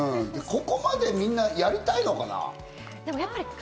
ここまでみんなやりたいのかな？